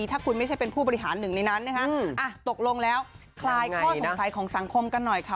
ถ้าคุณไม่ใช่เป็นผู้บริหารหนึ่งในนั้นนะคะตกลงแล้วคลายข้อสงสัยของสังคมกันหน่อยค่ะ